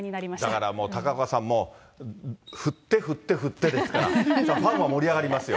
だからもう、高岡さん、振って振って振ってですから、ファンは盛り上がりますよ。